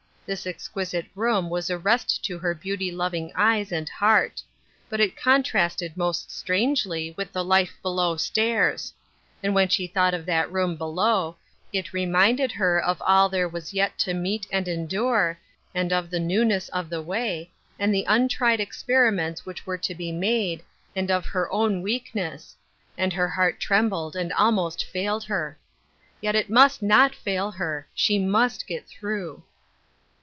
This exquisite room was a rest to her beauty loving eyes and heart. But it contrasted most strangely with the life below stairs ; and, when she thought of that room below, it reminded her of all there was yet to meet and endure, and of the newness of the 292 Ruth Ershine's Crosses, way, and the untried experiments which were to be made, and of her own weakness — and her heart trembled, and almost failed her. Yet it must not fail her ; she must get strength.